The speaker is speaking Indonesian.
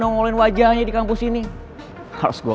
ini berasal dari sepanjang kita